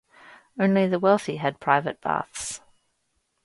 Only the wealthy had private baths.